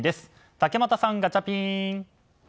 竹俣さん、ガチャピン！